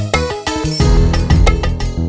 tidak ada ket olan orang